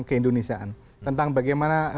keindonesiaan tentang bagaimana